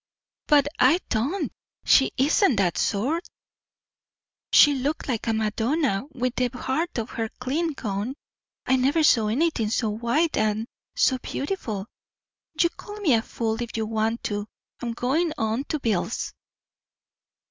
"But I don't. She isn't that sort. She looked like a Madonna with the heart of her clean gone. I never saw anything so white an' so beautiful. You call me a fool if you want to I'm goin' on to Bill's!"